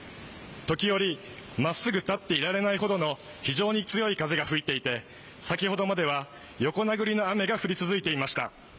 時折、真っすぐ立っていられないほどの非常に強い風が吹いていて先ほどまでは横殴りの雨が降り続いていました。